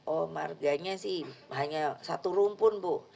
oh marganya sih hanya satu rumpun bu